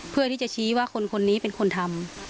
เพื่อที่จะชี้ว่าคนนี้เป็นคนทำ